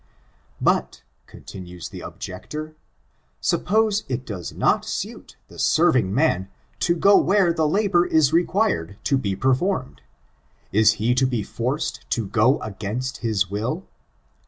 But, continues the objector, suppose it does not suit the serving man to go where the labor is required to be performed, is he to be forced to go against his will?